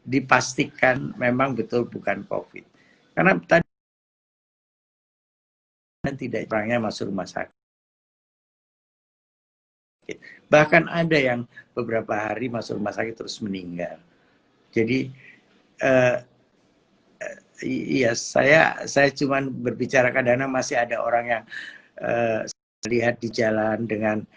dipastikan memang betul bukan covid